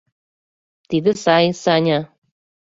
— Тиде сай, Саня!